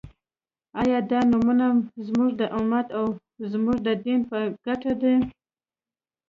آیا دا نومؤنه زموږ د امت او زموږ د دین په ګټه ده؟